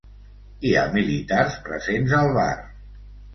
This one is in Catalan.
Hi ha militars presents al bar.